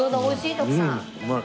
徳さん。